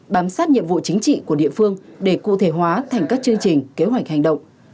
bám sát nhiệm vụ chính trị của địa phương để cụ thể hóa thành các chương trình kế hoạch hành động